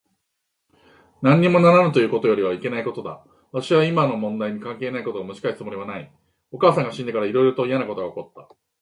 なんにもならぬというよりもっといけないことだ。わしは今の問題に関係ないことをむし返すつもりはない。お母さんが死んでから、いろいろといやなことが起った。